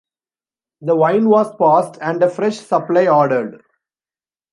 The wine was passed, and a fresh supply ordered.